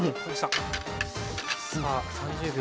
さあ３０秒。